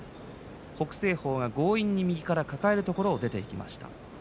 北青鵬は強引に右から抱えたところを出ていきました。